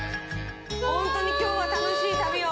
本当に今日は楽しい旅を！